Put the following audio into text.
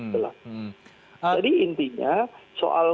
jadi intinya soal